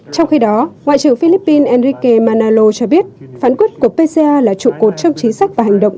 trong khi đó ngoại trưởng philippines enrike manalo cho biết phán quyết của pca là trụ cột trong chính sách và hành động